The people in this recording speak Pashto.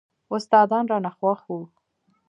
استادان رانه خوښ وو.